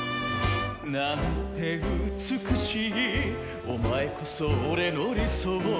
「なんて美しいお前こそ俺の理想」